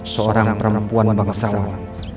seorang perempuan bangsawan